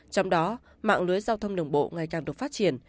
trong đó mạng lưới giao thông đường bộ ngày càng được phát triển